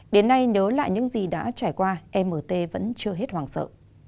đến nay nhớ lại những gì đã trải qua mt vẫn chưa hết hoàng sợ